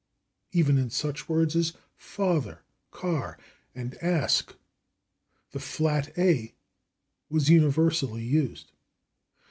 Even in such words as /father/, /car/ and /ask/ the flat /a/ was universally used.